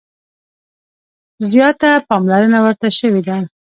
زیاته پاملرنه ورته شوې ده.